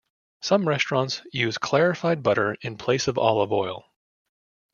Some restaurants use clarified butter in place of olive oil.